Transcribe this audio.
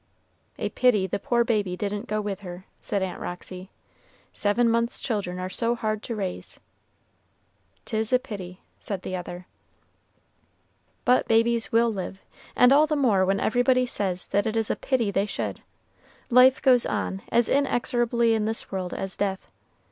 "A pity the poor baby didn't go with her," said Aunt Roxy; "seven months' children are so hard to raise." "'Tis a pity," said the other. But babies will live, and all the more when everybody says that it is a pity they should. Life goes on as inexorably in this world as death.